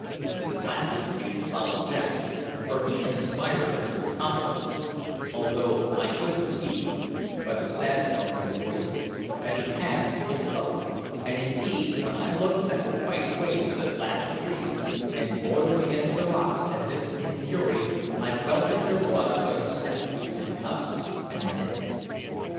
We gladly agreed to follow Jack, for he inspired us with confidence although I could perceive, by the sad tone of his voice, that he had little hope; and indeed, when I looked at the white waves that lashed the reef and boiled against the rocks as if in fury, I felt that there was but a step between us and death.